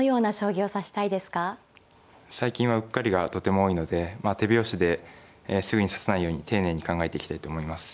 最近はうっかりがとても多いので手拍子ですぐに指さないように丁寧に考えていきたいと思います。